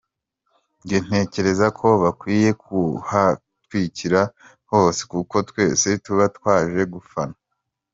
Njye ntekereza ko bakwiye kuhatwikira hose kuko twese tuba twaje gufana.